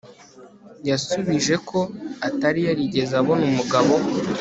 yasubije ko atari yarigeze abona umugabo